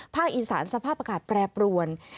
อีสานสภาพอากาศแปรปรวน